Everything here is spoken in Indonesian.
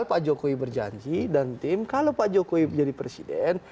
pak jokowi berjanji dan tim kalau pak jokowi menjadi presiden